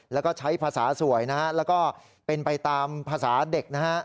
แล้วก็ใช้ภาษาสวยนะฮะแล้วก็เป็นไปตามภาษาเด็กนะฮะ